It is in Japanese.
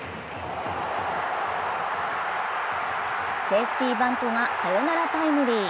セーフティバントがサヨナラタイムリー。